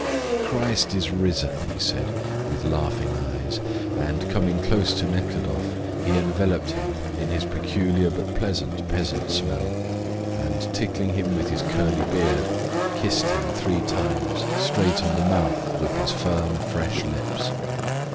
"Christ is risen," he said, with laughing eyes, and coming close to Nekhludoff he enveloped him in his peculiar but pleasant peasant smell, and, tickling him with his curly beard, kissed him three times straight on the mouth with his firm, fresh lips.